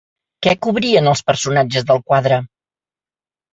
Què cobrien els personatges del quadre?